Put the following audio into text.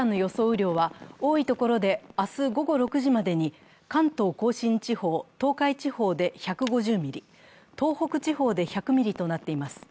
雨量は、多い所で明日午後６時までに関東甲信地方、東海地方で１５０ミリ東北地方で１００ミリとなっています